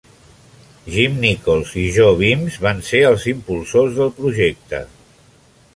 Jim Nicholls i Jo Beams van ser els impulsors del projecte.